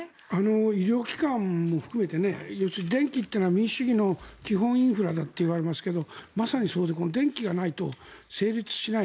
医療機関も含めて要するに電気というのは民主主義の基本インフラだっていわれますけどまさにそうで電気がないと成立しない。